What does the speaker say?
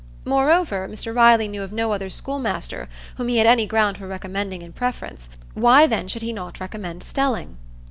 Moreover, Mr Riley knew of no other schoolmaster whom he had any ground for recommending in preference; why, then, should he not recommend Stelling?